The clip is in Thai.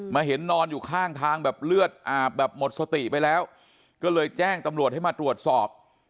เห็นนอนอยู่ข้างทางแบบเลือดอาบแบบหมดสติไปแล้วก็เลยแจ้งตำรวจให้มาตรวจสอบ